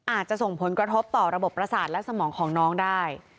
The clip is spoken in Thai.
อาจจะส่งผลกระทบต่อระบบประสาทและสมองของน้องได้